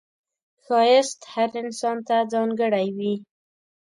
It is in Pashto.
ښایست هر انسان ته ځانګړی وي